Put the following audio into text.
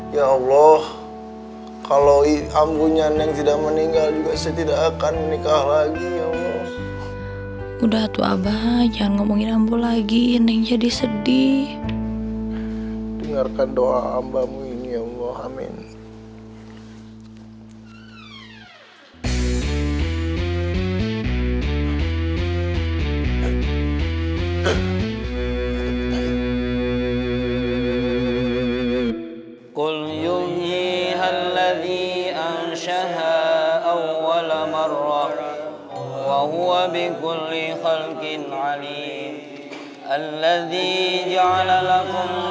ya allah kalau ibu neng tidak meninggal saya juga tidak akan nikah lagi ya allah